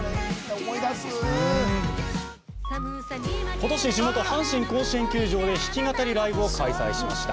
今年、地元・阪神甲子園球場で弾き語りライブを開催しました。